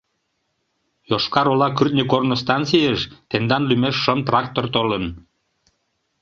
«Йошкар-Ола кӱртньӧ корно станцийыш тендан лӱмеш шым трактор толын.